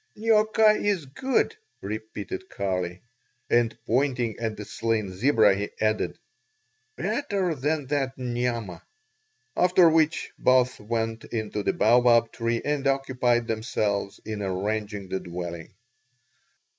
"Nioka is good," repeated Kali. And pointing at the slain zebra, he added: "Better than that niama." After which both went into the baobab tree and occupied themselves in arranging the dwelling.